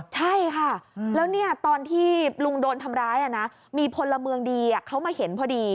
ใช่ค่ะแล้วตอนที่ลุงโดนทำร้ายมีพลเมืองดีเขามาเห็นพอดี